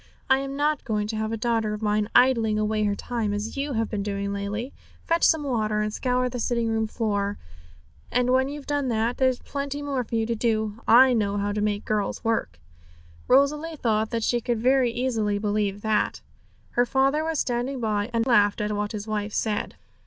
I'm not going to have a daughter of mine idling away her time as you have been doing lately. Fetch some water and scour the sitting room floor. And when you've done that, there's plenty more for you to do! I know how to make girls work!' Rosalie thought she could very easily believe that. Her father was standing by, and only laughed at what his wife said.